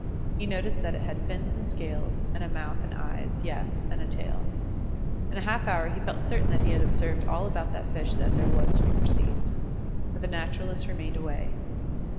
He noticed that it had fins and scales, and a mouth and eyes, yes, and a tail. In a half hour he felt certain that he had observed all about that fish that there was to be perceived. But the naturalist remained away.